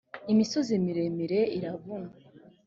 imisozi miremire iravuna.